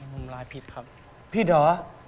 มุมร้ายผิดครับผิดเหรอ